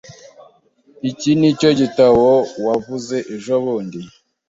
Iki nicyo gitabo wavuze ejobundi?